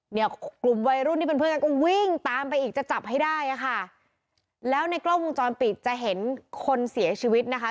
เนี่ยกลุ่มวัยรุ่นที่เป็นเพื่อนกันก็วิ่งตามไปอีกจะจับให้ได้อ่ะค่ะแล้วในกล้องวงจรปิดจะเห็นคนเสียชีวิตนะคะ